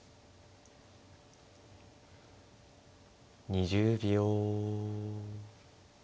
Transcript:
２０秒。